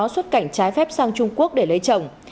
xuất cảnh trái phép sang trung quốc để lấy chồng